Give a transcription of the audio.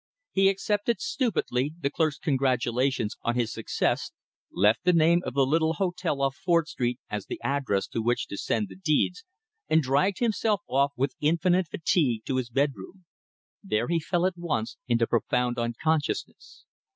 He accepted stupidly the clerk's congratulations on his success, left the name of the little hotel off Fort Street as the address to which to send the deeds, and dragged himself off with infinite fatigue to his bed room. There he fell at once into profound unconsciousness.